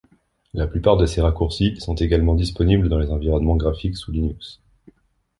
La plupart de ces raccourcis sont également disponibles dans les environnements graphiques sous Linux.